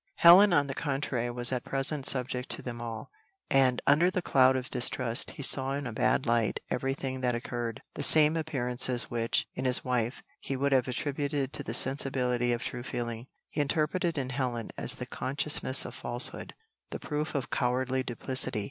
Helen, on the contrary, was at present subject to them all, and, under the cloud of distrust, he saw in a bad light every thing that occurred; the same appearances which, in his wife, he would have attributed to the sensibility of true feeling, he interpreted in Helen as the consciousness of falsehood, the proof of cowardly duplicity.